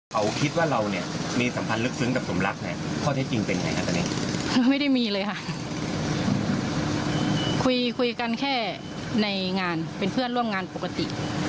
กันแค่ในงานเป็นเพื่อนร่วมงานปกติ